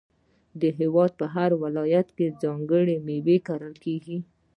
د هیواد په هر ولایت کې ځانګړې میوې کیږي.